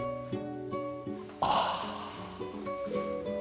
ああ。